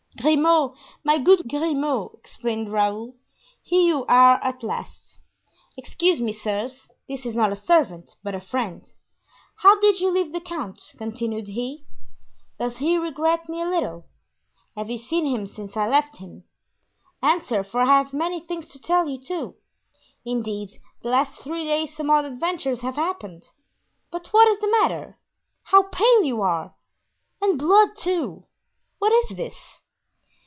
"Grimaud, my good Grimaud!" exclaimed Raoul "here you are at last! Excuse me, sirs, this is not a servant, but a friend. How did you leave the count?" continued he. "Does he regret me a little? Have you seen him since I left him? Answer, for I have many things to tell you, too; indeed, the last three days some odd adventures have happened—but what is the matter? how pale you are! and blood, too! What is this?"